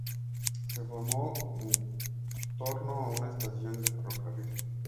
Se formó en torno a una estación del Ferrocarril Santa Fe.